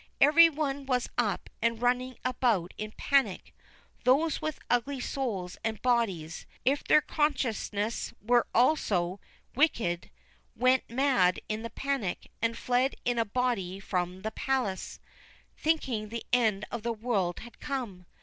Every one was up and running about in panic. Those with ugly souls and bodies, if their consciences were also wicked, went mad in the panic, and fled in a body from the palace, thinking the end of the world had come.